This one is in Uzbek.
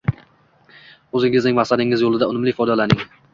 O‘zingizning maqsadingiz yo‘lida unumli foydalaning.